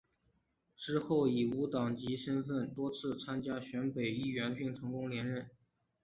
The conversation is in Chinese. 之后以无党籍身分多次参选台北市议员并成功连任。